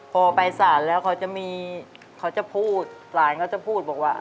พอไปศาลแล้วเขาจะพูดศาลก็จะพูดบอกว่า